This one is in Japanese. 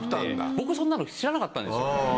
僕そんなの知らなかったんですよ。